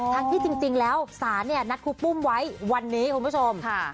ที่จริงแล้วศาลเนี่ยนัดครูปุ้มไว้วันนี้คุณผู้ชม